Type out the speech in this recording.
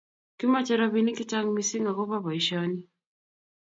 Kimache ropinik chechang mising akopo boisioni